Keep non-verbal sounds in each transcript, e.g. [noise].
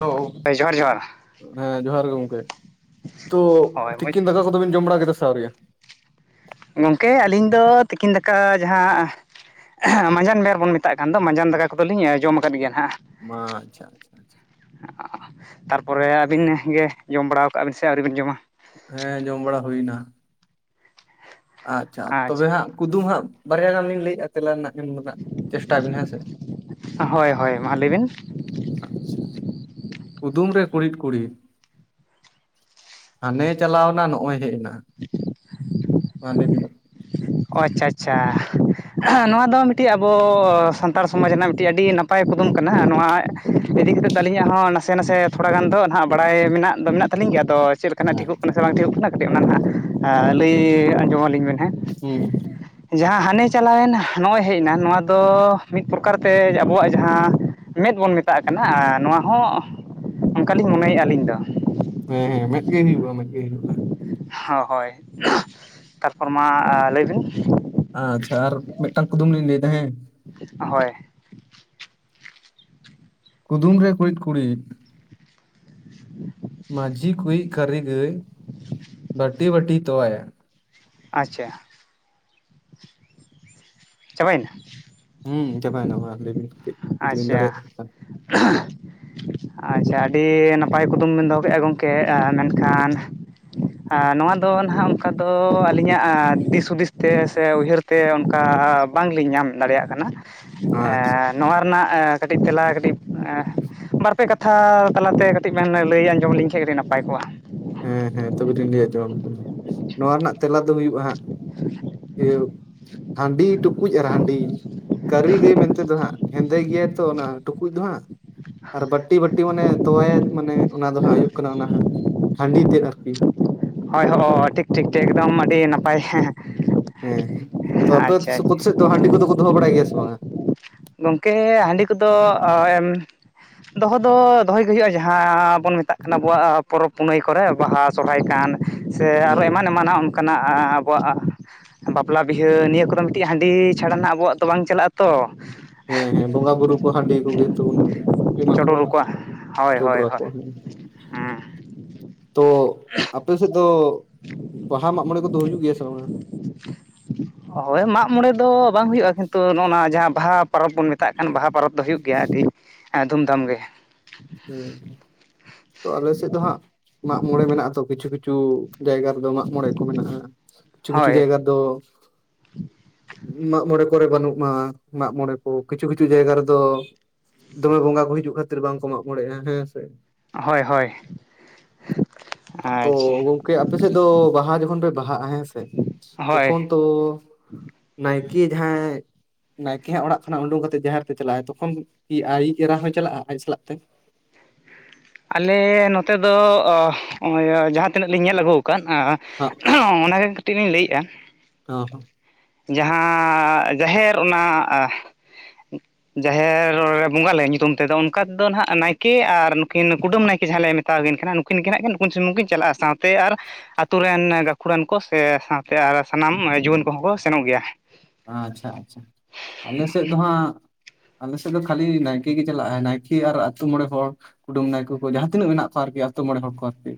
[unintelligible] ᱦᱳᱭ ᱡᱚᱦᱟᱨ ᱡᱚᱦᱟᱨ ᱦᱮᱸ ᱡᱚᱦᱟᱨ ᱜᱮ ᱜᱚᱝᱠᱮ ᱛᱚ ᱦᱳᱭ ᱢᱚᱡᱽ ᱛᱤᱠᱤᱱ ᱫᱟᱠᱟ ᱫᱚ ᱛᱚᱵᱮᱱ ᱡᱚᱢ ᱵᱟᱲᱟ ᱠᱮᱫᱟ ᱥᱮ ᱟᱹᱣᱨᱤᱭᱟ ᱜᱚᱝᱠᱮ ᱟᱹᱞᱤᱧ ᱫᱚ ᱛᱤᱠᱤᱱ ᱫᱟᱠᱟ ᱡᱟᱦᱟᱸ ᱢᱟᱸᱡᱟᱱ ᱵᱮᱨ ᱵᱚᱱ ᱢᱮᱛᱟᱜ ᱠᱟᱱ ᱫᱚ ᱢᱟᱸᱡᱟᱱ ᱫᱟᱠᱟ ᱠᱚᱫᱚ ᱞᱤᱧ ᱡᱚᱢ ᱟᱠᱟᱫ ᱜᱮᱭᱟ ᱦᱟᱸᱜ ᱢᱟ ᱟᱪᱪᱷᱟ ᱟᱪᱷᱟ ᱟᱪᱷᱟ ᱛᱟᱨᱯᱚᱨᱮ ᱟᱹᱵᱤᱱ ᱜᱮ ᱡᱚᱢ ᱵᱟᱲᱟᱣ ᱠᱟᱜᱼᱟ ᱵᱮᱱ ᱥᱮ ᱟᱹᱣᱨᱤ ᱵᱮᱱ ᱡᱚᱢᱟ ᱦᱮᱸ ᱡᱚᱢ ᱵᱟᱲᱟ ᱦᱩᱭᱱᱟ ᱟᱪᱪᱷᱟ ᱛᱚᱵᱮ ᱦᱟᱸᱜ ᱠᱩᱫᱩᱢ ᱦᱟᱸᱜ ᱵᱟᱨᱭᱟ ᱜᱟᱱ ᱞᱤᱧ ᱞᱟᱹᱭᱮᱫᱼᱟ ᱛᱮᱞᱟ ᱨᱮᱱᱟᱜ ᱮᱢ ᱫᱚ ᱱᱷᱟᱜ ᱪᱮᱥᱴᱟᱭ ᱵᱮᱱ ᱦᱮᱸᱥᱮ ᱦᱳᱭ ᱦᱳᱭ ᱢᱟ ᱞᱟᱹᱭ ᱵᱤᱱ ᱠᱩᱫᱩᱢ ᱨᱮ ᱠᱩᱲᱤᱫᱽ ᱠᱩᱲᱤᱫᱽ ᱦᱟᱱᱮ ᱪᱟᱞᱟᱣ ᱮᱱᱟ ᱱᱚᱜᱼᱚᱭ ᱦᱮᱡ ᱮᱱᱟ [inaudible] ᱢᱟ ᱞᱟᱹᱭ ᱵᱮᱱᱚᱜ ᱚ ᱟᱪᱪᱷᱟ ᱟᱪᱪᱷᱟ ᱱᱚᱣᱟ ᱫᱚ ᱢᱤᱫᱴᱮᱡ ᱟᱵᱚ ᱥᱟᱱᱛᱟᱲ ᱥᱚᱢᱟᱡᱽ ᱨᱮᱱᱟᱜ ᱢᱤᱫᱴᱮᱡ ᱟᱹᱰᱤ ᱱᱟᱯᱟᱭ ᱠᱩᱫᱩᱢ ᱠᱟᱱᱟ ᱟᱨ ᱱᱚᱣᱟ ᱤᱫᱤ ᱠᱟᱛᱮᱫ ᱫᱚ ᱟᱹᱞᱤᱧᱟᱜ ᱦᱚᱸ ᱱᱟᱥᱮ ᱱᱟᱥᱮ ᱛᱷᱚᱲᱟ ᱜᱟᱱ ᱫᱚ ᱱᱟᱦᱟᱸᱜ ᱵᱟᱲᱟᱭ ᱢᱮᱱᱟᱜ ᱫᱚ ᱢᱮᱱᱟᱜ ᱛᱟᱹᱞᱤᱧ ᱜᱮᱭᱟ ᱟᱫᱚ ᱪᱮᱫ ᱞᱮᱠᱟᱱᱟᱜ ᱦᱩᱸ ᱴᱷᱤᱠᱚᱜ ᱠᱟᱱᱟ ᱥᱮ ᱵᱟᱝ ᱴᱷᱤᱠᱚᱜ ᱠᱟᱱᱟ ᱠᱟᱹᱴᱤᱡ ᱚᱱᱟ ᱱᱟᱦᱟᱸᱜ ᱞᱟᱹᱭ ᱟᱸᱡᱚᱢ ᱟᱹᱞᱤᱧ ᱵᱮᱱ ᱦᱮᱸ ᱦᱩᱸ ᱡᱟᱦᱟᱸ ᱦᱟᱱᱮ ᱪᱟᱞᱟᱣᱮᱱ ᱱᱚᱜᱼᱚᱭ ᱦᱮᱡ ᱮᱱᱟ ᱱᱚᱣᱟ ᱫᱚ ᱢᱤᱫ ᱯᱨᱚᱠᱟᱨ ᱛᱮ ᱟᱵᱚᱣᱟᱜ ᱡᱟᱦᱟᱸ ᱢᱮᱫᱽ ᱵᱚᱱ ᱢᱮᱛᱟᱜ ᱠᱟᱱᱟ ᱟᱨ ᱱᱚᱣᱟ ᱦᱚᱸ ᱚᱱᱠᱟ ᱞᱤᱧ ᱢᱚᱱᱮᱭᱮᱫᱼᱟ ᱟᱹᱞᱤᱧ ᱫᱚ ᱦᱮᱸ ᱦᱮᱸ ᱢᱮᱫ ᱜᱮ ᱦᱩᱭᱩᱜᱼᱟ ᱢᱮᱫᱜᱮ ᱦᱩᱭᱩᱜᱼᱟ᱾ ᱦᱟ ᱦᱳᱭ ᱛᱟᱨᱯᱚᱨ ᱢᱟ ᱞᱟᱹᱭ ᱵᱤᱱ ᱟᱪᱪᱷᱟ ᱟᱨ ᱢᱤᱫᱴᱟᱝ ᱠᱩᱫᱩᱢ ᱞᱤᱧ ᱞᱟᱹᱭᱮᱫᱟ ᱦᱮᱸ ᱦᱳᱭ ᱠᱩᱫᱩᱢ ᱨᱮ ᱠᱩᱬᱤᱫ ᱠᱩᱬᱤᱫ [inaudible] ᱢᱟᱹᱡᱷᱤ ᱠᱩᱭᱤᱡ ᱠᱟᱹᱨᱤᱜᱟᱹᱭ ᱵᱟᱹᱴᱤ ᱵᱟᱹᱴᱤ ᱛᱚᱣᱟᱭᱟ᱾ ᱟᱪᱪᱷᱟ ᱪᱟᱵᱟᱭᱱᱟ? ᱦᱩᱸ ᱪᱟᱵᱟᱭᱱᱟ ᱢᱟ ᱞᱟᱹᱭ ᱵᱤᱱ ᱠᱟᱹᱡ ᱡᱩᱫᱤ ᱵᱤᱱ ᱟᱪᱪᱷᱟ ᱫᱟᱲᱮᱭᱟᱜ ᱠᱷᱟᱱ ᱟᱪᱪᱷᱟ ᱟᱹᱰᱤ ᱱᱟᱯᱟᱭ ᱠᱩᱫᱩᱢ ᱵᱤᱱ ᱫᱚᱦᱚ ᱠᱮᱫᱼᱟ ᱜᱚᱢᱠᱮ ᱢᱮᱱᱠᱷᱟᱱ ᱱᱚᱣᱟ ᱫᱚ ᱱᱟᱦᱟᱸᱜ ᱚᱱᱠᱟ ᱫᱚ ᱟᱹᱞᱤᱧᱟᱜ ᱫᱤᱥ ᱦᱩᱫᱤᱥ ᱛᱮ ᱥᱮ ᱩᱭᱦᱟᱹᱨ ᱛᱮ ᱚᱱᱠᱟ ᱵᱟᱝᱞᱤᱧ ᱧᱟᱢ ᱫᱟᱲᱮᱭᱟᱜ ᱠᱟᱱᱟ᱾ ᱟᱪᱪᱷᱟ ᱱᱚᱣᱟ ᱨᱮᱱᱟᱜ ᱠᱟᱹᱴᱤᱡ ᱛᱮᱞᱟ ᱠᱟᱹᱴᱤᱡ ᱵᱟᱨᱯᱮ ᱠᱟ ᱛᱷᱟ ᱛᱟᱞᱟᱛᱮ ᱠᱟᱹᱴᱤᱡ ᱞᱟᱹᱭ ᱟᱸᱡᱚᱢ ᱞᱤᱧ ᱠᱷᱟᱱ ᱟᱹᱰᱤ ᱱᱟᱯᱟᱭ ᱠᱚᱜᱼᱟ᱾ ᱦᱮᱸ ᱦᱮᱸ ᱛᱚᱵᱮ ᱞᱤᱧ ᱞᱟᱹᱭ ᱟᱸᱡᱚᱢ ᱟᱹᱵᱤᱱ ᱠᱟᱱᱟ ᱱᱚᱣᱟ ᱨᱮᱱᱟᱜ ᱛᱮᱞᱟ ᱫᱚ ᱦᱩᱭᱩᱜᱼᱟ ᱦᱟᱸᱜ ᱤᱭᱟᱹ ᱦᱟᱺᱰᱤ ᱴᱩᱠᱩᱡ ᱟᱨ ᱦᱟᱺᱰᱤ ᱠᱟᱹᱨᱤ ᱜᱟᱹᱭ ᱢᱮᱱᱛᱮ ᱫᱚ ᱦᱟᱸᱜ ᱦᱮᱸᱫᱮ ᱜᱮᱭᱟᱭ ᱛᱚ ᱚᱱᱟ ᱴᱩᱠᱩᱡ ᱫᱚ ᱦᱟᱸᱜ ᱟᱨ ᱵᱟᱹᱴᱤ ᱵᱟᱹᱴᱤ ᱢᱟᱱᱮ ᱛᱚᱣᱟᱭᱟᱭ ᱢᱟᱱᱮ ᱚᱱᱟ ᱫᱚ ᱦᱟᱸᱜ ᱦᱩᱭᱩᱜ ᱠᱟᱱᱟ ᱚᱱᱟ ᱦᱟᱜ ᱦᱟᱺᱰᱤ ᱛᱮᱫ ᱟᱨᱠᱤ ᱦᱳᱭ ᱦᱳᱭ ᱴᱷᱤᱠ ᱴᱷᱤᱠ ᱴᱷᱤᱠ ᱮᱠᱫᱚᱢ ᱟᱹᱰᱤ ᱱᱟᱯᱟᱭ ᱦᱮᱸ ᱦᱮᱸ ᱛᱚ ᱟᱯᱮ ᱥᱳᱠᱳᱛᱥᱮᱫ ᱫᱚ ᱦᱟᱺᱰᱤ ᱠᱚᱫᱚ ᱠᱚ ᱫᱚᱦᱚ ᱵᱟᱲᱟᱭ ᱜᱮᱭᱟ ᱥᱮ ᱵᱟᱝᱟ? ᱜᱚᱝᱠᱮ ᱦᱟᱺᱰᱤ ᱠᱚᱫᱚ ᱮᱢ ᱫᱚᱦᱚ ᱫᱚ ᱫᱚᱦᱚᱭᱜᱮ ᱦᱩᱭᱩᱜᱼᱟ ᱡᱟᱦᱟᱸ ᱵᱚᱱ ᱢᱮᱛᱟᱜ ᱠᱟᱱᱟ ᱟᱵᱚᱣᱟᱜ ᱯᱚᱨᱚᱵᱽ ᱯᱩᱱᱟᱹᱭ ᱠᱚᱨᱮ ᱵᱟᱦᱟ ᱥᱚᱨᱦᱟᱭ ᱠᱟᱱ ᱥᱮ ᱟᱨᱚ ᱦᱩᱸ ᱮᱢᱟᱱ ᱮᱢᱟᱱᱟᱜ ᱠᱟᱱᱟ ᱟᱵᱚᱣᱟᱜ ᱵᱟᱯᱞᱟ ᱵᱤᱦᱟᱹ ᱱᱤᱭᱟᱹ ᱠᱚᱫᱚ ᱢᱤᱫᱴᱤᱡ ᱦᱟᱺᱰᱤ ᱪᱷᱟᱲᱟ ᱱᱟᱦᱟᱜ ᱟᱵᱚᱣᱟᱜ ᱫᱚ ᱵᱟᱝ ᱪᱟᱞᱟᱜ ᱟ ᱛᱚ ᱦᱮᱸ ᱦᱮᱸ ᱵᱚᱸᱜᱟ ᱵᱩᱨᱩ ᱠᱚ ᱦᱟᱺᱰᱤ ᱠᱚᱜᱮ ᱛᱚᱵᱚᱱ ᱮᱢᱟ ᱪᱚᱰᱚᱨ ᱠᱚᱣᱟ᱾ ᱟᱠᱚᱣᱟ ᱦᱳᱭ ᱦᱳᱭ ᱪᱚᱰᱚᱨ ᱦᱳᱭ ᱟᱠᱚᱣᱟ ᱦᱮᱸ ᱛᱚ ᱟᱯᱮ ᱥᱮᱫ ᱫᱚ ᱵᱟᱦᱟ ᱢᱟᱜ ᱢᱚᱬᱮ ᱠᱚᱫᱚ ᱦᱩᱭᱩᱜ ᱜᱮᱭᱟ ᱥᱮ ᱵᱟᱝᱼᱟ? ᱦᱳᱭ ᱢᱟᱜ ᱢᱚᱬᱮ ᱫᱚ ᱵᱟᱝ ᱦᱩᱭᱩᱜᱼᱟ ᱠᱤᱱᱛᱩ ᱱᱚᱜᱼᱱᱟ ᱱᱚᱣᱟ ᱡᱟᱦᱟᱸ ᱵᱟᱦᱟ ᱯᱚᱨᱚᱵᱽ ᱵᱚᱱ ᱢᱮᱛᱟᱜ ᱠᱟᱱ ᱵᱟᱦᱟ ᱯᱚᱨᱚᱵᱽ ᱫᱚ ᱦᱩᱭᱩᱜ ᱜᱮᱭᱟ ᱟᱹᱰᱤ ᱫᱷᱩᱢᱫᱷᱟᱢ ᱜᱮ᱾ ᱦᱮᱸ ᱛᱚ ᱟᱞᱮ ᱥᱮᱫ ᱫᱚ ᱦᱟᱸᱜ ᱢᱟᱜ ᱢᱚᱬᱮ ᱢᱮᱱᱟᱜ ᱟᱛᱚ ᱠᱤᱪᱷᱩ ᱠᱤᱪᱷᱩ ᱡᱟᱭᱜᱟ ᱢᱟᱜ ᱢᱚᱬᱮ ᱠᱚ ᱢᱮᱱᱟᱜᱼᱟ ᱠᱤᱪᱷᱩ ᱠᱤᱪᱷᱩ ᱦᱳᱭ ᱡᱟᱭᱜᱟ ᱫᱚ ᱢᱟᱜᱢᱚᱬᱮ ᱠᱚᱨᱮ ᱵᱟᱹᱱᱩᱜ ᱢᱟ ᱢᱟᱜᱢᱚᱬᱮ ᱠᱚ ᱠᱤᱪᱷᱩ ᱠᱤᱪᱷᱩ ᱡᱟᱭᱜᱟ ᱨᱮᱫᱚ ᱫᱚᱢᱮ ᱵᱚᱸᱜᱟ ᱠᱚ ᱦᱤᱡᱩᱜ ᱠᱷᱟᱹᱛᱤᱨ ᱵᱟᱝ ᱠᱚ ᱢᱟᱜ ᱢᱚᱬᱮᱜᱼᱟ ᱦᱮᱸ ᱥᱮ᱾ ᱦᱳᱭ ᱦᱳᱭ ᱛᱚ ᱟᱪᱪᱷᱟ ᱜᱚᱝᱠᱮ ᱟᱯᱮ ᱥᱮᱫ ᱫᱚ ᱵᱟᱦᱟ ᱡᱚᱠᱷᱚᱱ ᱯᱮ ᱵᱟᱦᱟᱜᱼᱟ ᱦᱮᱸᱥᱮ ᱦᱳᱭ ᱛᱚᱠᱷᱚᱱ ᱛᱚ ᱱᱟᱭᱠᱮ ᱡᱟᱦᱟᱸᱭ ᱱᱟᱭᱠᱮ ᱦᱟᱜ ᱚᱲᱟᱜ ᱠᱷᱚᱱᱟᱜ ᱩᱰᱩᱝ ᱠᱟᱛᱮᱫ ᱡᱟᱦᱮᱨ ᱛᱮ ᱪᱟᱞᱟᱜ ᱟᱭ ᱛᱚᱠᱷᱚᱱ ᱟᱭᱤᱡ ᱮᱨᱟ ᱦᱚᱭ ᱪᱟᱞᱟᱜᱼᱟ ᱟᱭ ᱥᱟᱞᱟᱜ ᱛᱮ? ᱟᱞᱮ ᱱᱚᱛᱮ ᱫᱚ ᱡᱟᱦᱟᱸ ᱛᱤᱱᱟᱹᱜ ᱞᱤᱧ ᱧᱮᱞ ᱟᱹᱜᱩ ᱟᱠᱟᱫ ᱦᱚᱸ ᱚᱱᱟᱜᱮ ᱠᱟᱹᱴᱤᱡ ᱞᱤᱧ ᱞᱟᱹᱭᱮᱜᱼᱟ ᱦᱚ ᱦᱚᱸ ᱡᱟᱦᱟᱸ ᱡᱟᱦᱮᱨ ᱚᱱᱟ ᱡᱟᱦᱮᱨᱸ ᱵᱚᱸᱜᱟᱞᱮ ᱧᱩᱛᱩᱢ ᱛᱮᱫᱚ ᱚᱱᱠᱟ ᱛᱮᱫᱚ ᱱᱟᱦᱟᱜ ᱱᱟᱭᱠᱮ ᱟᱨ ᱱᱩᱠᱤᱱ ᱠᱩᱰᱟᱹᱢ ᱱᱟᱭᱠᱮ ᱡᱟᱦᱟᱸ ᱞᱮ ᱢᱮ ᱢᱟᱛᱟᱣ ᱟᱠᱤᱱ ᱠᱟᱱᱟ ᱱᱩᱠᱤᱱ ᱜᱮ ᱦᱟᱜ ᱜᱮ ᱱᱩᱠᱤᱱ ᱥᱩᱢᱩᱝ ᱠᱤᱱ ᱪᱟᱞᱟᱜᱼᱟ ᱥᱟᱶᱛᱮ ᱟᱨ ᱟᱛᱩ ᱨᱮᱱ ᱜᱟᱹᱠᱷᱩᱲᱟᱱ ᱠᱚ ᱥᱮ ᱥᱟᱶᱛᱮ ᱟᱨ ᱥᱟᱱᱟᱢ ᱡᱩᱣᱟᱹᱱ ᱠᱚᱦᱚᱸ ᱠᱚ ᱥᱮᱱᱚᱜ ᱜᱮᱭᱟ᱾ ᱟᱪᱪᱷᱟ ᱟᱪᱪᱷᱟ ᱟᱞᱮ ᱥᱮᱫ ᱫᱚ ᱦᱟᱸᱜ ᱟᱞᱮᱥᱮᱫ ᱫᱚ ᱠᱷᱟᱹᱞᱤ ᱱᱟᱭᱠᱮ ᱜᱮ ᱪᱟᱞᱟᱜᱼᱟ ᱱᱟᱭᱠᱮ ᱟᱨ ᱟᱛᱩ ᱢᱚᱬᱮ ᱦᱚᱲ ᱠᱩᱰᱟᱹᱢ ᱱᱟᱭᱠᱮ ᱠᱚ ᱡᱟᱦᱟᱸ ᱛᱤᱱᱟᱹᱜ ᱢᱮᱱᱟᱜ ᱠᱚᱣᱟ ᱟᱨᱠᱤ ᱟᱹᱛᱳ ᱢᱚᱬᱮ ᱦᱚᱲ ᱠᱚ ᱟᱨᱠᱤ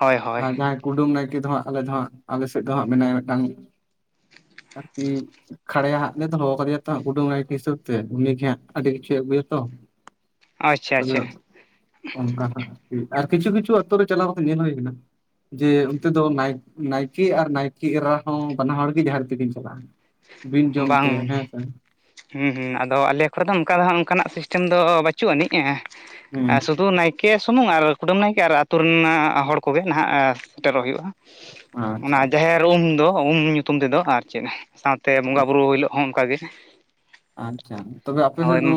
ᱦᱳᱭ ᱦᱳᱭ ᱟᱨ ᱡᱟᱦᱟᱸᱭ ᱠᱩᱰᱟᱹᱢ ᱱᱟᱭᱠᱮ ᱫᱚ ᱦᱟᱸᱜ ᱟᱞᱮ ᱫᱚ ᱦᱟᱸᱜ ᱟᱞᱮ ᱥᱮᱫ ᱫᱚ ᱦᱟᱸᱜ ᱢᱮᱱᱟᱭᱟ ᱢᱤᱫᱴᱟᱝ ᱠᱷᱟᱲᱮᱭᱟ ᱦᱟᱸᱜ ᱞᱮ ᱫᱚᱦᱚ ᱠᱟᱫᱮᱭᱟ ᱛᱚ ᱦᱟᱸᱜ ᱠᱩᱰᱟᱹᱢ ᱱᱟᱭᱠᱮ ᱦᱤᱥᱟᱹᱵᱽ ᱛᱮ ᱩᱱᱤᱜᱮ ᱦᱟᱸᱜ ᱟᱹᱰᱤ ᱠᱤᱪᱷᱩᱭ ᱟᱹᱜᱩᱭᱟᱛᱚ [inaudible] ᱛᱚᱵᱮ ᱟᱪᱪᱷᱟ ᱚᱱᱠᱟ ᱱᱟᱜ ᱟᱨ ᱠᱤᱪᱷᱩ ᱠᱤᱪᱷᱩ ᱟᱛᱳ ᱨᱮ ᱪᱟᱞᱟᱣ ᱠᱟᱛᱮ ᱧᱮᱞ ᱦᱩᱭ ᱠᱟᱱᱟ ᱡᱮ ᱚᱱᱛᱮ ᱫᱚ ᱱᱟᱭᱠᱮ ᱟᱨ ᱱᱟᱭᱠᱮ ᱮᱨᱟ ᱦᱚᱸ ᱵᱟᱱᱟ ᱦᱚᱲ ᱜᱮ ᱡᱟᱦᱮᱨ ᱛᱮᱠᱤᱱ ᱪᱟᱞᱟᱜ-ᱟ ᱵᱟᱝ ᱦᱩᱸ ᱦᱩᱸ ᱟᱫᱚ ᱟᱞᱮ ᱠᱚᱨᱮ ᱫᱚ ᱚᱱᱠᱟ ᱫᱚ ᱦᱟᱜ ᱚᱱᱠᱟᱱᱟᱜ ᱥᱤᱥᱴᱮᱢ ᱫᱚ ᱵᱟᱪᱩᱜ ᱟᱹᱱᱤᱡ ᱦᱮᱸ ᱥᱩᱫᱷᱩ ᱱᱟᱭᱠᱮ ᱠᱮ ᱥᱩᱢᱩᱝ ᱟᱨ ᱠᱩᱰᱟᱹᱢ ᱱᱟᱭᱠᱮ ᱟᱨ ᱟᱹᱛᱩ ᱨᱮᱱ ᱦᱚᱲ ᱠᱚᱜᱮ ᱱᱟᱦᱟᱜ ᱥᱮᱴᱮᱨᱚᱜ ᱦᱩᱭᱩᱜ-ᱟ ᱚᱱᱟ ᱟᱪᱪᱷᱟ ᱡᱟᱦᱮᱨ ᱩᱢ ᱫᱚ ᱩᱢ ᱧᱩᱛᱩᱢ ᱛᱮᱫᱚ ᱟᱨ ᱪᱮᱫ ᱥᱟᱶᱛᱮ ᱥᱮ ᱵᱚᱸᱜᱟ ᱵᱩᱨᱩ ᱦᱤᱞᱳᱜ ᱦᱚᱸ ᱚᱱᱠᱟᱜᱮ ᱟᱪᱪᱷᱟ ᱛᱚᱵᱮ ᱟᱯᱮ ᱦᱳᱭ ᱥᱮᱫ ᱫᱚ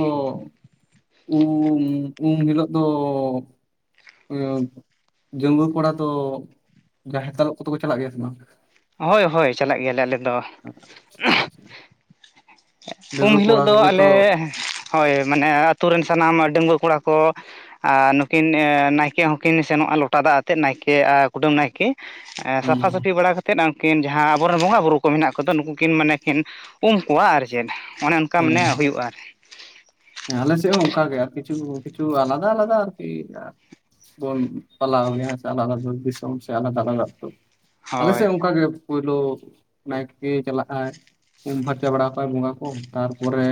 ᱩᱢ ᱩᱢ ᱦᱤᱞᱳ ᱫᱚ ᱰᱟᱺᱜᱽᱣᱟᱹ ᱠᱚᱲᱟ ᱫᱚ ᱡᱟᱦᱮᱨ ᱫᱟᱞᱚᱵ ᱠᱚᱫᱚ ᱠᱚ ᱪᱟᱞᱟᱜ ᱜᱮᱭᱟ ᱥᱮ ᱵᱟᱝ? ᱦᱳᱭ ᱦᱳᱭ ᱪᱟᱞᱟᱜ ᱜᱮᱭᱟᱞᱮ ᱟᱞᱮ ᱫᱚ ᱩᱢ ᱰᱟᱺᱜᱩᱣᱟᱹ ᱦᱤᱞᱳᱜ ᱠᱚᱲᱟ ᱫᱚ ᱠᱚᱜᱮ ᱟᱞᱮ ᱛᱚ ᱦᱳᱭ ᱢᱟᱱᱮ ᱟᱹᱛᱩ ᱨᱮᱱ ᱥᱟᱱᱟᱢ ᱰᱟᱺᱜᱽᱣᱟᱹ ᱠᱚᱲᱟ ᱠᱚ ᱟᱨ ᱱᱩᱠᱤᱱ ᱱᱟᱭᱠᱮ ᱦᱚᱸᱠᱤᱱ ᱥᱮᱱᱚᱜ-ᱟ ᱞᱚᱴᱟ ᱫᱟᱜ ᱟᱛᱮᱫ ᱱᱟᱭᱠᱮ ᱟᱨ ᱠᱩᱰᱟᱹᱢ ᱱᱟᱭᱠᱮ ᱦᱩᱸ ᱥᱟᱹᱯᱷᱟ ᱥᱟᱹᱯᱷᱤ ᱵᱟᱲᱟ ᱠᱟᱛᱮ ᱮᱛᱮᱫ ᱩᱱᱠᱤᱱ ᱡᱟᱦᱟᱸ ᱟᱵᱚᱨᱮᱱ ᱵᱚᱸᱜᱟ ᱵᱩᱨᱩ ᱠᱚ ᱢᱮᱱᱟᱜ ᱠᱚᱫᱚ ᱱᱩᱠᱩᱠᱤᱱ ᱢᱟᱱᱮ ᱠᱤᱱ ᱩᱢᱠᱚᱣᱟ ᱟᱨ ᱪᱮᱫ ᱚᱱᱮ ᱚᱱᱠᱟ ᱢᱟᱱᱮ ᱦᱮᱸ ᱦᱩᱭᱩᱜ-ᱟ ᱦᱮᱸ ᱟᱞᱮ ᱥᱮᱫ ᱦᱚᱸ ᱚᱱᱠ ᱜᱮ ᱠᱤᱪᱷᱩ ᱠᱤᱪᱷᱩ ᱟᱞᱟᱫᱟ ᱟᱞᱟᱫᱟ ᱟᱨᱠᱤ ᱵᱚᱱ ᱯᱟᱞᱟᱣ ᱜᱮᱭᱟ ᱦᱮᱥᱮ ᱟᱞᱟᱫᱟ ᱟᱞᱟᱫᱟ ᱫᱤᱥᱚᱢ ᱥᱮ ᱟᱞᱟᱫᱟ ᱟᱞᱟᱫᱟ ᱟᱛᱳ ᱦᱳᱭ ᱟᱞᱮᱥᱮᱫ ᱚᱱᱠᱟ ᱜᱮ ᱯᱳᱭᱞᱳ ᱱᱟᱭᱠᱮ ᱪᱟᱞᱟᱜ-ᱟᱭ ᱩᱢ ᱯᱷᱟᱨᱪᱟ ᱵᱟᱲᱟ ᱠᱚᱟᱭ ᱵᱚᱸᱜᱟ ᱠᱚ ᱛᱟᱨᱯᱚᱨᱮ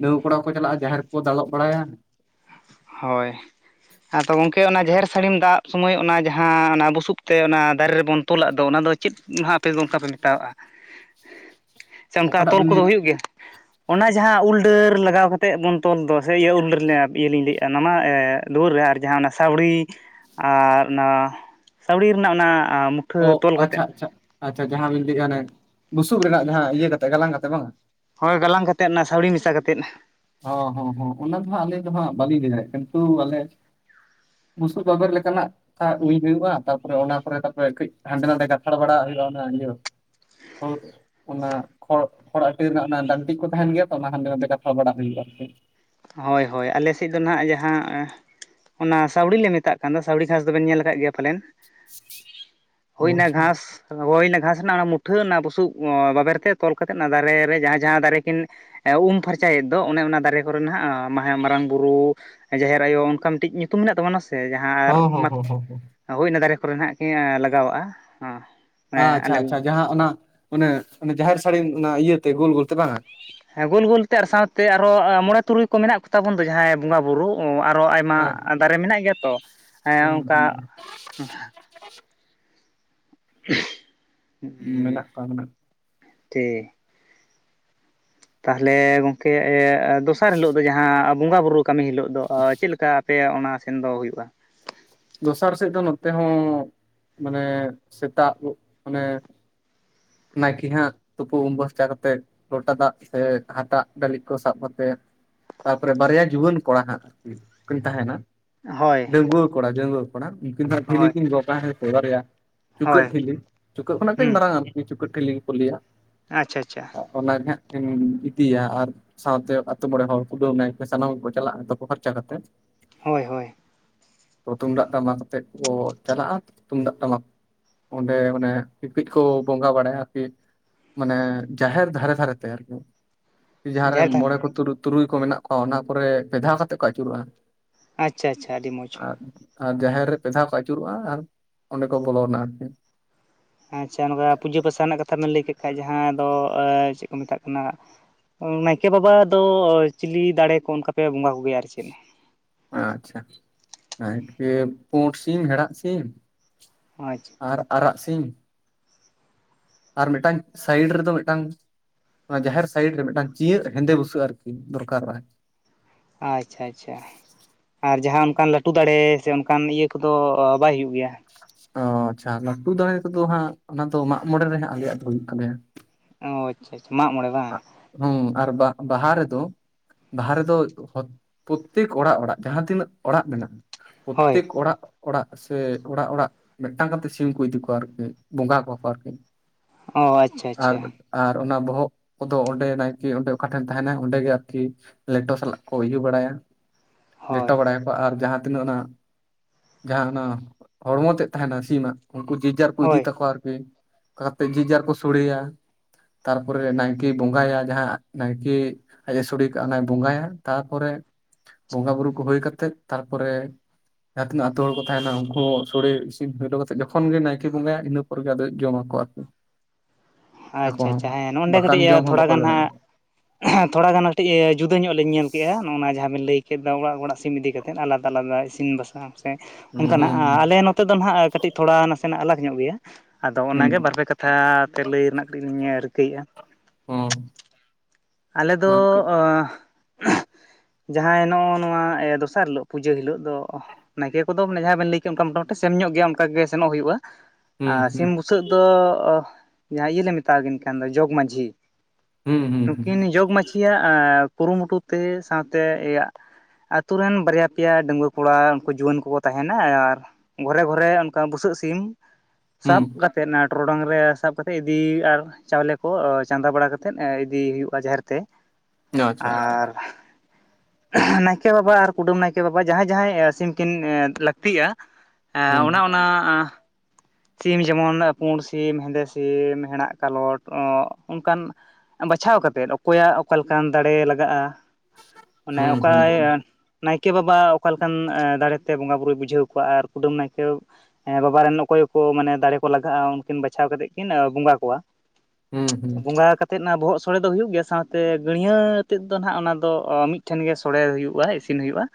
ᱰᱟᱺᱜᱽᱣᱟᱹ ᱠᱚᱲᱟ ᱪᱟᱞᱟᱜ-ᱟ ᱡᱟᱦᱮᱨ ᱠᱚ ᱫᱟᱞᱚᱵ ᱵᱟᱲᱟᱭᱟ ᱦᱳᱭ ᱟᱫᱚ ᱜᱚᱝᱠᱮ ᱚᱱᱟ ᱡᱟᱦᱮᱨ ᱥᱟᱹᱲᱤᱢ ᱫᱟᱵ ᱥᱚᱢᱚᱭ ᱚᱱᱟ ᱡᱟᱦᱟᱸ ᱚᱱᱟ ᱵᱩᱥᱩᱵ ᱛᱮ ᱚᱱᱟ ᱫᱟᱨᱮ ᱨᱮᱵᱚᱱ ᱛᱞᱟᱜ ᱫᱚ ᱚᱱᱟ ᱫᱚ ᱪᱮᱫ ᱱᱷᱟᱜ ᱟᱯᱮ ᱫᱚ ᱚᱱᱠᱟ ᱯᱮ ᱢᱮᱛᱟᱣᱟᱜ-ᱟ? ᱥᱮ ᱚᱱᱠᱟ ᱚᱠᱟᱴᱟᱜ ᱛᱚᱞ ᱵᱤᱱ ᱠᱚᱫᱚ ᱦᱩᱭᱩᱜ ᱜᱮᱭᱟ? ᱚᱱᱟ ᱡᱟᱦᱟᱸ ᱩᱞ ᱰᱟᱹᱨ ᱞᱟᱜᱟᱣ ᱠᱟᱛᱮᱫ ᱵᱚᱱ ᱛᱚᱞ ᱫᱚ ᱥᱮ ᱤᱭᱟᱹ ᱩᱞ ᱰᱟᱹᱨ ᱤᱭᱟᱹ ᱞᱤᱧ ᱞᱟᱹᱭᱮᱫ-ᱟ ᱚᱱᱟ ᱢᱟ ᱫᱩᱣᱟᱹᱨ ᱨᱮ ᱟᱨ ᱡᱟᱦᱟᱸ ᱚᱱᱟ ᱥᱟᱹᱣᱲᱤ ᱟᱨ ᱚᱱᱟ ᱥᱟᱹᱣᱲᱤ ᱨᱮᱱᱟᱜ ᱚᱱᱟ ᱟ ᱚ ᱟᱪᱪᱷᱟ ᱟᱪᱪᱷᱟ ᱟᱪᱪᱷᱟ ᱡᱟᱦᱟᱸ ᱵᱤᱱ ᱞᱟᱹᱭᱮᱫ-ᱟ ᱚᱱᱮ ᱵᱩᱥᱩᱵ ᱨᱮᱱᱟᱜ ᱡᱟᱦᱟᱸ ᱤᱭᱟᱹ ᱠᱟᱛᱮ ᱜᱟᱞᱟᱝ ᱠᱟᱛᱮ ᱵᱟᱝ? ᱦᱳᱭ ᱜᱟᱞᱟᱝ ᱠᱟᱛᱮᱫ ᱚᱱᱟ ᱥᱟᱣᱲᱤ ᱢᱮᱥᱟ ᱠᱟᱛᱮᱫ ᱦᱚᱸ ᱦᱚᱸ ᱚᱱᱟ ᱫᱚ ᱦᱟᱸᱜ ᱟᱹᱞᱤᱧ ᱫᱚ ᱦᱟᱸᱜ ᱵᱟᱹᱞᱤᱧ ᱞᱟᱹᱭ ᱫᱟᱲᱭᱟᱜ-ᱟ ᱠᱤᱱᱛᱩ ᱟᱞᱮ ᱵᱩᱥᱩᱵ ᱵᱟᱵᱮᱨ ᱞᱮᱠᱟᱱᱟᱜ ᱩᱧ ᱦᱩᱭᱩᱜ-ᱟ ᱛᱟᱯᱚᱨᱮ ᱚᱱᱟ ᱠᱚᱨᱮ ᱛᱟᱯᱚᱨᱮ ᱠᱟᱹᱡ ᱦᱟᱸᱰᱮ ᱱᱟᱰᱮ ᱜᱟᱛᱷᱟᱲ ᱵᱟᱲᱟᱣᱟᱜ ᱦᱩᱭᱩᱜ-ᱟ ᱚᱱᱟ ᱤᱭᱟᱹ ᱚᱱᱟ ᱠᱷᱚᱲ ᱠᱷᱚᱲ ᱟᱹᱴᱤ ᱨᱮᱱᱟᱜ ᱚᱱᱟ ᱰᱟᱹᱱᱴᱤᱡ ᱠᱚ ᱛᱟᱦᱮᱱ ᱜᱮᱭᱟ ᱛᱚ ᱚᱱᱟ ᱦᱟᱱᱟᱛᱮ ᱜᱟᱛᱷᱟᱲ ᱵᱟᱲᱟ ᱦ [unintelligible] ᱦᱳᱭ ᱦᱳᱭ ᱟᱞᱮ ᱥᱮᱫ ᱫᱚ [unintelligible] ᱡᱟᱦᱟᱸ ᱚᱱᱟ ᱥᱟᱹᱣᱲᱤ ᱞᱮ ᱢᱮᱛᱟᱜ ᱠᱟᱱᱟ‌ᱫᱚ ᱚᱱᱟ ᱥᱟᱣᱲᱤ ᱜᱷᱟᱸᱥ ᱫᱚᱵᱮᱱ ᱧᱮᱞ ᱟᱠᱟᱫ ᱜᱮᱭᱟ ᱯᱟᱞᱮᱱ? ᱦᱳᱭ ᱚᱱᱟ ᱟᱪᱪᱷᱟ ᱜᱷᱟᱸᱥ ᱦᱳᱭ ᱚᱱᱟ ᱜᱷᱟᱥ ᱨᱮᱱᱟᱜ ᱚᱱᱟ ᱢᱩᱴᱷᱟᱹᱱ ᱚᱱᱟ ᱵᱩᱥᱩᱵ ᱵᱟᱵᱮᱨ ᱛᱮ ᱛᱚᱞ ᱠᱟᱛᱮᱫ ᱚᱱᱟ ᱫᱟᱨᱮ ᱨᱮ ᱡᱟᱦᱟᱸ ᱡᱟᱦᱟᱸ ᱫᱟᱨᱮ ᱠᱤᱱ ᱩᱢ ᱯᱷᱟᱨᱪᱟᱭᱮᱫ ᱫᱚ ᱚᱱᱮ ᱚᱱᱟ ᱫᱟᱨᱮ ᱠᱚ ᱠᱚᱨᱮ ᱱᱷᱟᱜ ᱢᱟᱨᱟᱝ ᱵᱩᱨᱩ ᱡᱟᱦᱮᱨ ᱟᱭᱳ ᱚᱱᱠᱟ ᱢᱤᱫᱴᱤᱡ ᱧᱩᱛᱩᱢ ᱢᱮᱱᱟᱜ ᱛᱟᱵᱚᱱᱟ ᱥᱮ ᱟᱨ ᱦᱚᱸ ᱦᱚᱸ ᱦᱚᱸ ᱦᱚᱸ ᱦᱚᱸ ᱦᱳᱭ ᱤᱱᱟ ᱫᱟᱨᱮ ᱠᱚᱨᱮ ᱱᱟᱜ ᱜᱮ ᱞᱟᱜᱟᱣᱟᱜᱼᱟ, ᱦᱚᱸ ᱟᱪᱪᱷᱟ ᱟᱪᱪᱷᱟ ᱡᱟᱦᱟᱸ ᱚᱱᱟ ᱚᱱᱮ ᱡᱟᱦᱮᱨ ᱥᱟᱹᱲᱤᱢ ᱚᱱᱟ ᱤᱭᱟᱹᱛᱮ ᱜᱳᱞ ᱜᱳᱞᱛᱮ ᱵᱟᱝᱟ? ᱦᱮᱸ ᱜᱳᱞ ᱜᱳᱞᱛᱮ ᱟᱨ ᱥᱟᱶᱛᱮ ᱟᱨᱦᱚ ᱢᱚᱬᱮ ᱛᱩᱨᱩᱭ ᱠᱚ ᱢᱮᱱᱟᱜ ᱠᱚᱛᱟ ᱵᱚᱱ ᱫᱚ ᱡᱟᱦᱟᱸᱭ ᱵᱚᱸᱜᱟ ᱵᱩᱨᱩ ᱟᱨᱦᱚ ᱟᱭ ᱟᱭᱢᱟ ᱦᱮᱸ ᱫᱟᱨᱮ ᱢᱮᱱᱟᱜ ᱜᱮᱭᱟ ᱛᱚ ᱦᱩᱸ ᱚᱱᱠᱟ ᱦᱩᱸ ᱢᱮᱱᱟᱜ ᱠᱚᱣᱟ ᱢᱮᱱᱟᱜ ᱴᱷᱤᱠ ᱛᱟᱦᱚᱞᱮ ᱜᱚᱢᱠᱮ ᱫᱚᱥᱟᱨ ᱦᱤᱞᱳᱜ ᱫᱚ ᱡᱟᱦᱟᱸ ᱵᱚᱸᱜᱟ ᱵᱩᱨᱩ ᱠᱟᱹᱢᱤ ᱦᱤᱞᱳᱜ ᱫᱚ ᱪᱮᱫ ᱞᱮᱠᱟ ᱟᱯᱮ ᱚᱱᱟ ᱥᱮᱱᱫᱚ ᱦᱩᱭᱩᱜᱼᱟ? ᱫᱚᱥᱟᱨ ᱥᱮᱫ ᱫᱚ ᱱᱚᱛᱮ ᱦᱚᱸ ᱢᱟᱱᱮ ᱥᱮᱛᱟᱜ ᱜᱚᱜ ᱢᱟᱱᱮ, ᱱᱟᱭᱠᱤ ᱦᱟᱸᱜ ᱛᱩᱯᱩ ᱩᱢ ᱵᱚᱥᱪᱟ ᱠᱟᱛᱮᱜ ᱞᱚᱴᱟ ᱫᱟᱜ ᱥᱮ ᱦᱟᱴᱟᱜ ᱰᱟᱹᱞᱤ ᱠᱚ ᱥᱟᱵ ᱠᱟᱛᱮᱜ, ᱛᱟᱯᱚᱨᱮ ᱵᱟᱨᱭᱟ ᱡᱩᱣᱟᱹᱱ ᱠᱚᱲᱟ ᱦᱟᱸᱜ ᱟᱨᱠᱤ ᱠᱤᱱ ᱛᱟᱦᱮᱸᱱᱟ ᱦᱳᱭ ᱰᱟᱺᱜᱩᱭᱟᱹ ᱠᱚᱲᱟ ᱡᱟᱺᱜᱩᱣᱟᱹ ᱠᱚᱲᱟ ᱩᱱᱠᱤᱱ ᱫᱚ ᱦᱟᱸᱜ ᱦᱳᱭ ᱴᱷᱤᱞᱤ ᱠᱤᱱ ᱜᱚᱜᱟ ᱦᱮᱸ ᱥᱮ ᱵᱟᱨᱮᱭᱟ ᱪᱩᱠᱟᱹᱜ ᱦᱳᱭ ᱴᱷᱤᱞᱤ ᱪᱩᱠᱟᱹᱜ ᱠᱷᱚᱱᱟᱜ ᱠᱟᱹᱡ ᱦᱮᱸ ᱢᱟᱨᱟᱝᱟ ᱪᱩᱠᱟᱹᱜ ᱴᱷᱤᱞᱤ ᱜᱮ ᱠᱚ ᱞᱟᱹᱭᱟ᱾ ᱟᱪᱪᱷᱟ ᱟᱪᱪᱷᱟ᱾ ᱵᱟᱱᱟᱨ ᱜᱮ ᱦᱟᱸᱜ ᱠᱤᱱ ᱤᱫᱤᱭᱟ ᱟᱨ ᱥᱟᱶᱛᱮ ᱟᱛᱳ ᱢᱚᱬᱮ ᱦᱚᱲ ᱠᱩᱰᱟᱹᱢ ᱱᱟᱭᱠᱮ ᱥᱟᱱᱟᱢ ᱠᱚ ᱪᱟᱞᱟᱜᱼᱟ ᱛᱚᱯᱚ ᱯᱷᱟᱨᱪᱟ ᱠᱟᱛᱮ, ᱦᱳᱭ ᱦᱳᱭ ᱛᱚ ᱛᱩᱢᱫᱟᱜ ᱴᱟᱢᱟᱠ ᱟᱛᱮᱫ ᱠᱚ ᱪᱟᱞᱟᱜᱼᱟ, ᱛᱩᱢᱫᱟᱜ ᱴᱟᱢᱟᱠ ᱚᱸᱰᱮ ᱢᱟᱱᱮ [unintelligible] ᱠᱚ ᱵᱚᱸᱜᱟ ᱵᱟᱲᱟᱭᱟ ᱟᱨᱠᱤ, ᱢᱟᱱᱮ ᱡᱟᱦᱮᱨ ᱫᱷᱟᱨᱮ ᱫᱷᱟᱨᱮ ᱛᱮ ᱟᱨᱠᱤ ᱡᱟᱦᱟᱸᱨᱮ ᱡᱟᱦᱮᱨ ᱛᱷᱟᱱ ᱢᱚᱬᱮ ᱠᱚ ᱛᱩᱨᱩᱭ ᱠᱚ ᱢᱮᱱᱟᱜ ᱠᱚᱣᱟ ᱚᱱᱟ ᱠᱚᱨᱮ ᱯᱮ ᱫᱷᱟᱣ ᱠᱟᱛᱮᱫ ᱠᱚ ᱟᱹᱪᱩᱨᱚᱜᱼᱟ᱾ ᱟᱪᱪᱷᱟ ᱟᱪᱪᱷᱟ ᱟᱹᱰᱤ ᱢᱚᱡᱽ᱾ ᱟᱨ, ᱟᱨ ᱡᱟᱦᱮᱨ ᱨᱮ ᱯᱮ ᱫᱷᱟᱣ ᱠᱚ ᱟᱹᱪᱩᱨᱚᱜᱼᱟ ᱟᱨ ᱚᱸᱰᱮ ᱠᱚ ᱵᱚᱞᱚᱱᱟ ᱟᱨᱠᱤ ᱟᱪᱪᱷᱟ ᱱᱚᱝᱠᱟ ᱯᱩᱡᱟᱹ ᱯᱟᱥᱟ ᱱᱟᱜ ᱠᱟᱛᱷᱟ ᱵᱮᱱ ᱞᱟᱹᱭ ᱠᱮᱫ ᱠᱷᱟᱡ ᱡᱟᱦᱟᱸ ᱫᱚ ᱪᱮᱫ ᱠᱚ ᱢᱮᱛᱟᱜ ᱠᱟᱱᱟ ᱱᱟᱭᱠᱮ ᱵᱟᱵᱟ ᱫᱚ ᱪᱤᱞᱤ ᱫᱟᱲᱮ ᱠᱚ ᱚᱱᱠᱟ ᱯᱮ ᱵᱚᱸᱜᱟ ᱠᱚᱜᱮᱭᱟ ᱟᱨ ᱪᱮᱫ? ᱟᱪᱪᱷᱟ, [unintelligible] ᱯᱩᱸᱰ ᱥᱤᱢ ᱦᱮᱲᱟᱜ ᱥᱤᱢ᱾ ᱟᱪᱪᱷᱟ᱾ ᱟᱨ ᱟᱨᱟᱜ ᱥᱤᱢ᱾ ᱟᱨ ᱢᱤᱫᱴᱟᱝ ᱥᱟᱭᱤᱰ ᱨᱮᱫᱚ ᱢᱤᱫᱴᱟᱝ, ᱚᱱᱟ ᱡᱟᱦᱮᱨ ᱥᱟᱭᱤᱰ ᱨᱮ ᱢᱤᱫᱴᱟᱝ ᱪᱤᱭᱟᱹᱜ ᱦᱮᱸᱫᱮ ᱵᱩᱥᱟᱹᱜ ᱟᱨᱠᱤ ᱫᱚᱨᱠᱟᱨᱚᱜᱼᱟᱭ᱾ ᱟᱪᱪᱷᱟ ᱟᱪᱪᱷᱟ᱾ ᱟᱨ ᱡᱟᱦᱟᱸ ᱚᱱᱠᱟᱱ ᱞᱟᱹᱴᱩ ᱫᱟᱲᱮ ᱥᱮ ᱚᱱᱠᱟᱱ ᱤᱭᱟᱹ ᱠᱚᱫᱚ ᱵᱟᱭ ᱦᱩᱭᱩᱜ ᱜᱮᱭᱟ? ᱚ ᱟᱪᱪᱷᱟ ᱞᱟᱹᱴᱩ ᱫᱟᱬᱮ ᱠᱚᱫᱚ ᱦᱟᱸᱜ ᱚᱱᱟ ᱫᱚ ᱢᱟᱜ ᱢᱚᱬᱮ ᱨᱮ ᱦᱟᱸᱜ ᱟᱞᱮᱭᱟᱜ ᱫᱚ ᱦᱩᱭᱩᱜ ᱛᱟᱞᱮᱭᱟ᱾ ᱚ ᱟᱪᱪᱷᱟ ᱟᱪᱪᱷᱟ ᱢᱟᱜ ᱢᱚᱬᱮ ᱵᱟᱝ ᱦᱩᱸ ᱟᱨ ᱵᱟᱦᱟ ᱨᱮ ᱫᱚ ᱵᱟᱦᱟ ᱨᱮᱫᱚ ᱯᱚᱛᱛᱮᱠ ᱚᱲᱟᱜ ᱚᱲᱟᱜ ᱡᱟᱦᱟᱸ ᱛᱤᱱᱟᱹᱜ ᱚᱲᱟᱜ ᱢᱮᱱᱟᱜᱼᱟ, ᱦᱳᱭ ᱯᱚᱛᱛᱮᱠ ᱚᱲᱟᱜ ᱚᱲᱟᱜ ᱥᱮ ᱚᱲᱟᱜ ᱚᱲᱟᱜ ᱢᱤᱫᱴᱟᱝ ᱠᱟᱛᱮ ᱥᱤᱢ ᱠᱚ ᱤᱫᱤ ᱠᱚᱣᱟ ᱟᱨᱠᱤ ᱵᱚᱸᱜᱟ ᱠᱚᱣᱟ ᱠᱚ ᱟᱨᱠᱤ᱾ ᱚ ᱟᱪᱪᱷᱟ ᱟᱨ, ᱟᱪᱪᱷᱟ ᱟᱨ ᱚᱱᱟ ᱵᱚᱦᱚᱜ ᱠᱚᱫᱚ ᱚᱸᱰᱮ ᱱᱟᱭᱠᱤ ᱚᱸᱰᱮ ᱚᱠᱟ ᱴᱷᱮᱱ ᱛᱟᱦᱮᱸᱱᱟᱭ ᱚᱸᱰᱮ ᱜᱮ ᱟᱨᱠᱤ ᱞᱮᱴᱚ ᱥᱟᱞᱟᱜ ᱠᱚ ᱤᱭᱟᱹ ᱵᱟᱲᱟᱭᱟ ᱞᱮᱴᱚ ᱦᱳᱭ ᱵᱟᱲᱟᱭᱟᱢ᱾ ᱟᱨ ᱡᱟᱦᱟᱸ ᱛᱤᱱᱟᱹᱜ ᱚᱱᱟ ᱡᱟᱦᱟᱸ ᱚᱱᱟ ᱦᱚᱲᱢᱚ ᱛᱮᱫ ᱛᱟᱦᱮᱱᱟ ᱥᱤᱢᱟᱜ, ᱩᱱᱠᱩ ᱡᱮ ᱡᱟᱨ ᱠᱚ ᱤᱫᱤ ᱦᱳᱭ ᱛᱟᱠᱚᱣᱟ ᱟᱨᱠᱤ, ᱚᱱᱠᱟ ᱠᱟᱛᱮ ᱡᱮ ᱡᱟᱨ ᱠᱚ ᱥᱚᱲᱮᱭᱟ ᱛᱟᱨᱯᱚᱨᱮ ᱱᱟᱭ ᱠᱤ ᱵᱚᱸᱜᱟᱭᱟ ᱡᱟᱦᱟᱸ ᱱᱟᱭᱠᱮ ᱟᱡ ᱮ ᱥᱳᱲᱮ ᱠᱟᱜ ᱚᱱᱟᱭ ᱵᱚᱸᱜᱟᱭᱟ, ᱛᱟᱨᱯᱚᱨᱮ ᱵᱚᱸᱜᱟ ᱵᱩᱨᱩ ᱠᱚ ᱦᱩᱭ ᱠᱟᱛᱮᱫ ᱛᱟᱨᱯᱚᱨᱮ ᱡᱟᱦᱟᱸ ᱛᱤᱱᱟᱹᱜ ᱟᱛᱩ ᱦᱚᱲ ᱠᱚ ᱛᱟᱦᱮᱱᱟ ᱩᱱᱠᱩ ᱦᱚᱸ ᱥᱳᱲᱮ ᱤᱥᱤᱱ ᱦᱳᱭ ᱦᱚᱴᱚ ᱠᱟᱛᱮ ᱡᱚᱠᱷᱚᱱ ᱜᱮ ᱱᱟᱭᱠᱮ ᱵᱚᱸᱜᱟᱭᱟ ᱤᱱᱟᱹ ᱯᱚᱨᱮ ᱜᱮ ᱟᱫᱚ ᱡᱚᱢᱟ ᱠᱚ ᱟᱨᱠᱤ ᱟᱠᱚ ᱟᱪᱪᱷᱟ ᱦᱚᱸ ᱟᱪᱪᱷᱟ ᱦᱮᱸ ᱱᱚᱜ ᱱᱚᱰᱮ ᱵᱟᱠᱷᱟᱱ ᱠᱟᱹᱴᱤᱡ ᱡᱚᱢ ᱦᱚᱸ ᱛᱷᱚᱲᱟ ᱵᱟᱠᱚ ᱜᱟᱱ ᱫᱟᱲᱮᱭᱟᱜᱼᱟ ᱦᱟᱸᱜ ᱛᱷᱚᱲᱟ ᱜᱟᱱ ᱠᱟᱹᱴᱤᱡ ᱡᱩᱫᱟᱹ ᱧᱚᱜ ᱞᱤᱧ ᱧᱮᱞ ᱠᱮᱜ-ᱟ ᱱᱚᱜ ᱱᱟ ᱡᱟᱦᱟᱸ ᱵᱮᱱ ᱞᱟᱹᱭ ᱠᱮᱫ ᱫᱚ ᱚᱲᱟᱜ ᱚᱲᱟᱜ ᱥᱤᱢ ᱤᱫᱤ ᱠᱟ ᱛᱮᱫ ᱟᱞᱟᱫᱟ ᱟᱞᱟᱫᱟ ᱤᱥᱤᱱ ᱵᱟᱥᱟᱝ ᱦᱮᱸ ᱦᱩᱸ ᱚᱱᱠᱟᱱᱟᱜ ᱦᱩᱸ ᱟᱞᱮ ᱱᱚᱛᱮ ᱫᱚ ᱱᱟᱦᱟᱜ ᱠᱟᱹᱴᱤᱡ ᱛᱷᱚᱲᱟ ᱱᱟᱥᱮᱱᱟᱜ ᱟᱞᱟᱜᱽ ᱧᱚᱜ ᱜᱮᱭᱟ, ᱟᱫᱚ ᱦᱩᱸ ᱚᱱᱟᱜᱮ ᱵᱟᱨ ᱯᱮ ᱠᱟ ᱛᱷᱟ ᱛᱮ ᱞᱟᱹᱭ ᱨᱮᱱᱟᱜ ᱠᱟᱹᱴᱤᱡ ᱞᱤᱧ ᱨᱤᱠᱟᱹᱭᱮᱜᱼᱟ᱾ ᱦᱩᱸ ᱟᱞᱮ ᱫᱚ ᱢᱟ ᱠᱟᱹᱡ [unintelligible] ᱡᱟᱦᱟᱸᱭ ᱱᱚᱜᱼᱚ ᱱᱚᱣᱟ ᱫᱚᱥᱟᱨ ᱦᱤᱞᱳᱜ ᱯᱩᱡᱟᱹ ᱦᱤᱞᱳᱜ ᱫᱚ, ᱱᱟᱭᱠᱮ ᱠᱚᱫᱚ ᱡᱟᱦᱟᱸᱭ ᱵᱮᱱ ᱞᱟᱹᱭ ᱠᱮᱜ ᱚᱱᱠᱟ ᱢᱚᱴᱟᱢᱩᱴᱤ ᱥᱮᱢ ᱧᱚᱜ ᱜᱮᱭᱟ, ᱚᱱᱠᱟ ᱜᱮ ᱥᱮᱱᱚᱜ ᱦᱩᱭᱩᱜᱼᱟ᱾ ᱦᱩᱸ ᱟᱨ ᱦᱩᱸ ᱥᱤᱢ ᱵᱩᱥᱟᱹᱜ ᱫᱚ ᱡᱟᱦᱟᱸᱭ ᱤᱭᱟᱹ ᱞᱮ ᱢᱮᱛᱟᱣ ᱠᱤᱱ ᱠᱟᱱ ᱫᱚ ᱡᱚᱜᱽ ᱢᱟᱡᱷᱤ ᱦᱩᱸ ᱦᱩᱸ ᱦᱩᱸ ᱱᱩᱠᱤᱱ ᱡᱚᱜᱽ ᱢᱟᱹᱪᱷᱤᱭᱟᱜ ᱠᱩᱨᱩᱢᱩᱴᱩ ᱛᱮ ᱥᱟᱶᱛᱮ ᱮᱭᱟᱜ ᱟᱛᱳ ᱨᱮᱱ ᱵᱟᱨᱭᱟ ᱯᱮᱭᱟ ᱰᱟᱝᱣᱟᱹ ᱠᱚᱲᱟ ᱩᱱᱠᱩ ᱡᱩᱣᱟᱹᱱ ᱠᱚᱠᱚ ᱛᱟᱦᱮᱱᱟ ᱟᱨ ᱜᱷᱚᱨᱮ ᱜᱷᱚᱨᱮ ᱚᱱᱠᱟ ᱵᱩᱥᱟᱹᱜ ᱥᱤᱢ᱾ ᱥᱟᱵ ᱦᱩᱸ ᱠᱟᱛᱮᱫ ᱚᱱᱟ ᱴᱚᱨᱚᱰᱚᱝ ᱨᱮ ᱥᱟᱵ ᱠᱟᱛᱮᱫ ᱤᱫᱤ ᱟᱨ ᱪᱟᱣᱞᱮ ᱠᱚ ᱪᱟᱸᱫᱟ ᱵᱟᱲᱟ ᱠᱟᱛᱮ ᱤ ᱤᱫᱤ ᱦᱩᱭᱩᱜᱼᱟ ᱡᱟᱦᱮᱨ ᱛᱮ ᱟᱪᱪᱷᱟ ᱟᱪᱪᱷᱟ ᱟᱨ ᱱᱟᱭᱠᱮ ᱵᱟᱵᱟ ᱟᱨ ᱠᱩᱰᱟᱹᱢ ᱱᱟᱭᱠᱮ ᱵᱟᱵᱟ ᱡᱟᱦᱟᱸᱭ ᱡᱟᱦᱟᱸᱭ ᱥᱤᱢ ᱠᱤᱱ ᱞᱟᱹᱠᱛᱤᱜᱼᱟ᱾ ᱦᱩᱸ ᱚᱱᱟ ᱚᱱᱟ ᱟ ᱥᱤᱢ ᱡᱮᱢᱚᱱ ᱯᱩᱸᱰ ᱥᱤᱢ, ᱦᱮᱸᱫᱮ ᱥᱤᱢ, ᱦᱮᱲᱟᱜ ᱠᱟᱞᱚᱴ, ᱚᱱᱠᱟᱱ ᱵᱟᱪᱷᱟᱣ ᱠᱟᱛᱮᱫ ᱚᱠᱚᱭᱟᱜ ᱚᱠᱟᱞᱮᱠᱟᱱ ᱫᱟᱲᱮ ᱞᱟᱜᱟᱜᱼᱟ ᱚᱱᱮ ᱦᱩᱸ ᱦᱩᱸ ᱚᱠᱟᱭ ᱱᱟᱭᱠᱮ ᱵᱟᱵᱟ ᱚᱠᱟ ᱞᱮᱠᱟᱱ ᱫᱟᱲᱮᱛᱮ ᱵᱚᱸᱜᱟ ᱵᱩᱨᱩᱭ ᱵᱩᱡᱷᱟᱹᱣ ᱠᱚᱣᱟ ᱟᱨ ᱠᱩᱰᱟᱹᱢ ᱱᱟᱭᱠᱮ ᱦᱮᱸ ᱵᱟᱵᱟᱨᱮᱱ ᱚᱠᱚᱭ ᱢᱟᱱᱮ ᱫᱟᱨᱮ ᱠᱚ ᱞᱟᱜᱟᱜᱼᱟ ᱩᱱᱠᱤᱱ ᱵᱟᱪᱷᱟᱣ ᱠᱟᱛᱮ ᱠᱤᱱ ᱵᱚᱸᱜᱟ ᱠᱚᱣᱟ ᱦᱩᱸ ᱦᱩᱸ ᱵᱚᱸᱜᱟ ᱠᱟᱛᱮ ᱟᱛᱮᱫ ᱚᱱᱟ ᱵᱚᱦᱚᱜ ᱥᱚᱲᱮ ᱫᱚ ᱦᱩᱭᱩᱜ ᱜᱮᱭᱟ ᱥᱟᱶᱛᱮ ᱜᱟ. ᱲᱭᱟᱹ ᱟᱛᱮᱫ ᱫᱚ ᱱᱟᱦᱟᱜ ᱚᱱᱟ ᱫᱚ ᱢᱤᱫᱴᱷᱮᱱ ᱜᱮ ᱥᱚᱲᱮ ᱦᱩᱭᱩᱜᱼᱟ ᱤᱥᱤᱱ ᱦᱩᱭᱩᱜᱼᱟ᱾ [inaudible]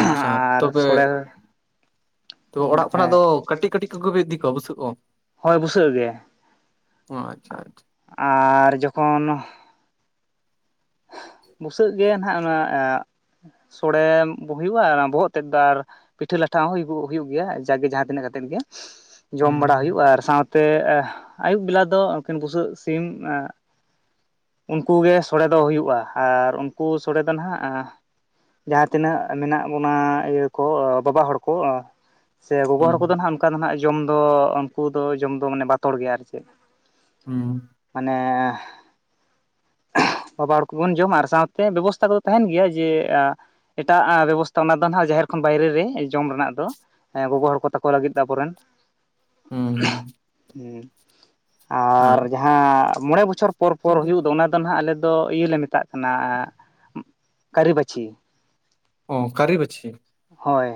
ᱟᱪᱪᱷᱟ ᱛᱚᱵᱮ ᱥᱚᱲᱮ ᱛᱚ ᱚᱲᱟᱜ ᱠᱷᱚᱱᱟᱜ ᱦᱮᱸ ᱫᱚ ᱠᱟᱹᱴᱤᱡ ᱠᱟᱹᱴᱤᱡ [unintelligible] ᱤᱫᱤᱠᱚ ᱵᱩᱥᱟ. ᱠᱚ ᱦᱳᱭ ᱵᱩᱥᱟᱹᱜ ᱜᱮ ᱟᱪᱪᱷᱟ ᱟᱪᱪᱷᱟ᱾ ᱟᱨ ᱡᱚᱠᱷᱚᱱ ᱵᱩᱥᱟᱹᱜ ᱜᱮ ᱱᱟᱜ ᱚᱱᱟ ᱥᱚᱲᱮ ᱠᱚ ᱦᱩᱭᱩᱜᱼᱟ ᱵᱚᱦᱚᱜ ᱛᱮᱫ ᱫᱚ ᱟᱨ ᱯᱤᱴᱷᱟᱹ ᱞᱟᱴᱷᱟ ᱦᱚᱸ ᱦᱩᱭᱩᱜ ᱦᱩᱭᱩᱜ ᱜᱮᱭᱟ ᱡᱟᱜᱮ ᱡᱟᱦᱟᱸᱛᱤᱱᱟᱹᱜ ᱠᱟᱛᱮᱜ ᱜᱮ ᱡᱚᱢ ᱦᱩᱸ ᱵᱟᱲᱟ ᱦᱩᱸ ᱦᱩᱭᱩᱜᱼᱟ ᱟᱨ ᱥᱟᱶ ᱛᱮ ᱟᱹᱭᱩᱵ ᱵᱮᱞᱟ ᱫᱚ ᱩᱱᱠᱤᱱ ᱵᱩᱥᱟᱹᱜ ᱥᱤᱢ ᱩᱱᱠᱩ ᱜᱮ ᱥᱚᱲᱮ ᱫᱚ ᱦᱩᱭᱩᱜᱼᱟ ᱟᱨ ᱩᱱᱠᱩ ᱥᱚᱲᱮ ᱫᱚ ᱱᱟᱦᱟᱜ ᱡᱟᱦᱟᱸ ᱛᱤᱱᱟᱹᱜ ᱢᱮᱱᱟᱜ ᱵᱚᱱᱟ ᱤᱭᱟᱹ ᱠᱚ ᱵᱟᱵᱟ ᱦᱚᱲ ᱠᱚ᱾ ᱥᱮ ᱜᱚᱜᱚ ᱦᱚᱲ ᱦᱩᱸ ᱠᱚᱫᱚ ᱦᱟᱜ ᱚᱱᱠᱟ ᱫᱚ ᱱᱟᱦᱟᱜ ᱡᱚᱢ ᱫᱚ ᱩᱱᱠᱩ ᱫᱚ ᱡᱚᱢ ᱫᱚ ᱢᱟᱱᱮ ᱵᱟᱛᱚᱨ ᱜᱮᱭᱟ ᱟᱨ ᱪᱮᱫ᱾ ᱦᱩᱸ ᱢᱟᱱᱮ ᱵᱟᱵᱟ ᱦᱚᱲ ᱠᱚ ᱵᱚᱱ ᱡᱚᱢ ᱟᱨ ᱥᱟᱶᱛᱮ ᱵᱮᱵᱚᱥᱛᱷᱟ ᱠᱚᱫᱚ ᱛᱟᱦᱮᱱ ᱜᱮᱭᱟ ᱡᱮ ᱮᱴᱟᱜ ᱵᱮᱵᱚᱥᱛᱷᱟ ᱚᱱᱟ ᱫᱚ ᱱᱟᱜ ᱡᱟᱦᱮᱨ ᱠᱷᱚᱱ ᱵᱟᱭᱨᱮ ᱨᱮ ᱡᱚᱢ ᱨᱮᱱᱟᱜ ᱫᱚ᱾ ᱦᱮᱸ ᱜᱚᱜᱚ ᱦᱚᱲ ᱠᱚ ᱛᱟᱠᱚ ᱞᱟᱹᱜᱤᱫ ᱫᱚ ᱟᱵᱚᱨᱮᱱ ᱾ ᱦᱩᱸ ᱟᱨ ᱦᱩᱸ ᱡᱟᱦᱟᱸ ᱢᱚᱬᱮ ᱵᱚ [unintelligible] ᱵᱚᱪᱷᱚᱨ ᱯᱚᱨ ᱯᱚᱨ ᱦᱩᱭᱩᱜ ᱫᱚ ᱚᱱᱟ ᱫᱚ ᱟᱜ ᱟᱞᱮ ᱫᱚ ᱤᱭᱟᱹ ᱞᱮ ᱢᱮᱛᱟᱜ ᱠᱟᱱᱟ ᱠᱟᱹᱨᱤᱵᱟᱹᱪᱷᱤ᱾ ᱚ ᱠᱟᱹᱨᱤᱵᱟᱹᱪᱷᱤ᱾ ᱦᱳᱭ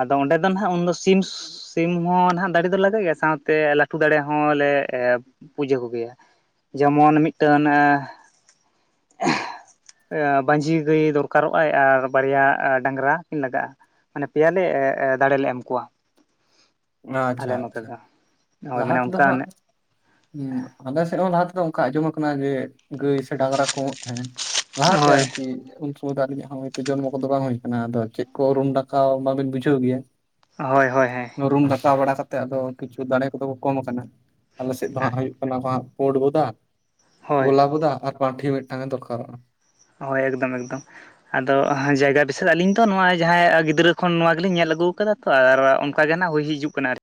ᱟᱫᱚ ᱚᱸᱰᱮ ᱫᱚ ᱱᱟᱜ ᱩᱱᱫᱚ ᱥᱤ ᱥᱤᱢ ᱦᱚᱸ ᱱᱟᱜ ᱫᱟᱨᱮ ᱫᱚ ᱞᱟᱜᱟᱜ ᱜᱮᱭᱟ ᱥᱟᱶᱛᱮ ᱞᱟᱹᱴᱩ ᱫᱟᱨᱮ ᱦᱚᱸᱞᱮ ᱯᱩᱡᱟᱹ ᱠᱚᱜᱮᱭᱟ᱾ ᱡᱮᱢᱚᱱ ᱢᱤᱫᱴᱮᱱ ᱵᱟᱹᱡᱷᱤ ᱜᱟᱹᱭ ᱫᱚᱨᱠᱟᱨᱚᱜ ᱟᱭ ᱟᱨ ᱵᱟᱨᱭᱟ ᱰᱟᱝᱨᱟ ᱠᱤᱱ ᱞᱟᱜᱟᱜᱼᱟ᱾ ᱯᱮᱭᱟᱞᱮ ᱫᱟᱲᱮᱞᱮ ᱮᱢ ᱠᱚᱣᱟ᱾ ᱟᱪᱪᱷᱟ ᱟᱞᱮ ᱱᱚᱛᱮ ᱟᱪᱪᱷᱟ ᱫᱚ ᱦᱳᱭ ᱞᱟᱦᱟ ᱢᱟᱱᱮ ᱛᱮᱫᱚ ᱚᱱᱠᱟᱱ ᱦᱟᱜ ᱦᱩᱸ ᱟᱞᱮ ᱥᱮᱫ ᱦᱚᱸ ᱞᱟᱦᱟ ᱛᱮᱫᱚ ᱚᱱᱠᱟ ᱟᱸᱡᱚᱢ ᱟᱠᱟᱱᱟ ᱡᱮ ᱜᱟᱹᱭ ᱥᱮ ᱰᱟᱝᱨᱟ ᱠᱚᱢᱚᱜ ᱛᱟᱦᱮᱸᱱ ᱾ ᱞᱟᱦᱟᱛᱮ ᱦᱳᱭ ᱟᱨᱠᱤ ᱩᱱᱫᱚ ᱟᱹᱞᱤᱧ ᱦᱚᱸ ᱦᱚᱭᱛᱚ ᱡᱚᱱᱢᱚ ᱠᱚᱫᱚ ᱵᱟᱝ ᱦᱩᱭ ᱟᱠᱟᱱᱟ ᱟᱱᱟ ᱟᱫᱚ ᱪᱮᱫ ᱠᱚ ᱨᱩᱢ ᱰᱟᱠᱟᱣ ᱚᱱᱟᱵᱤᱱ ᱵᱩᱡᱷᱟᱹᱣ ᱜᱮᱭᱟ᱾ ᱦᱳᱭ ᱦᱳᱭ ᱦᱮ ᱨᱩᱢ ᱜᱟᱰᱟᱠᱟᱣ ᱵᱟᱲᱟ ᱠᱟᱛᱮ ᱟᱫᱚ ᱠᱤᱪᱷᱩ ᱫᱟᱲᱮ ᱠᱚᱫᱚ ᱠᱚᱢ ᱟᱠᱟᱱᱟ ᱟᱞᱮᱥᱮᱫ ᱫᱚ ᱦᱟᱜ ᱦᱩᱭᱩᱜ ᱯᱩᱸᱰ ᱵᱚᱫᱟ, ᱦᱳᱭ ᱜᱳᱞᱟ ᱵᱚᱫᱟ, ᱟᱨ ᱯᱟᱹᱴᱷᱤ, ᱢᱤᱫᱴᱟᱝ ᱮ ᱫᱚᱨᱠᱟᱨᱚᱜᱼᱟ᱾ ᱦᱳᱭ ᱮᱠᱫᱚᱢ ᱮᱠᱫᱚᱢ ᱟᱫᱚ ᱡᱟᱭᱜᱟ ᱵᱤᱥᱟᱮᱫ ᱟᱹᱞᱤᱧ ᱫᱚ ᱱᱚᱣᱟ ᱡᱟᱦᱟᱸ ᱜᱤᱫᱽᱨᱟᱹ ᱠᱷᱚᱱ ᱱᱚᱣᱟ ᱜᱮᱞᱤᱧ ᱧᱮᱞ ᱟᱹᱜᱩ ᱟᱠᱟᱫᱟ᱾ ᱛᱚ ᱟᱨ ᱚᱱᱠᱟ ᱜᱮ ᱱᱟᱜ ᱦᱩᱭ ᱦᱤᱡᱩᱜ ᱠᱟᱱᱟ ᱟᱨᱼ᱾